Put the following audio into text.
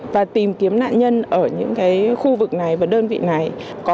và tìm kiếm nạn nhân ở những khu vực này và đơn vị này có